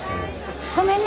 ・ごめんね。